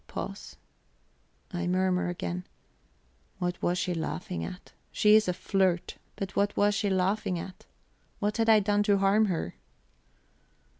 Pause. I murmur again: "What was she laughing at? She is a flirt; but what was she laughing at? What had I done to harm her?"